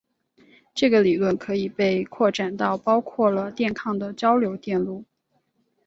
这个理论可以被扩展到包括了电抗的交流电路。